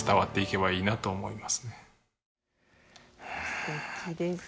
すてきですね。